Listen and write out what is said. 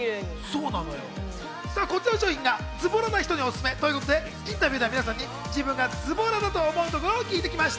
こちらの商品はズボラな人におすすめということで、インタビューでは皆さんに自分がズボラだと思うところを聞いてきました。